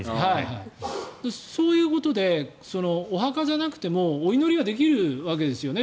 そういうことでお墓じゃなくてもお祈りはできるわけですよね